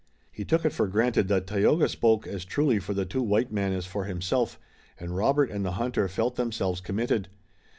He took it for granted that Tayoga spoke as truly for the two white men as for himself, and Robert and the hunter felt themselves committed.